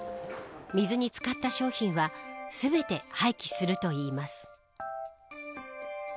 水に漬かった商品は全て廃棄するといいます。